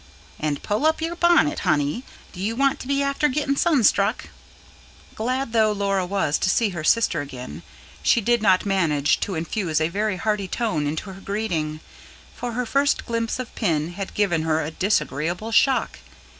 "And pull up your bonnet, honey. D'you want to be after gettin' sunstruck?" Glad though Laura was to see her sister again, she did not manage to infuse a very hearty tone into her greeting; for her first glimpse of Pin had given her a disagreeable shock.